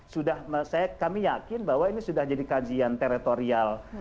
sudah kami yakin bahwa ini sudah jadi kajian teritorial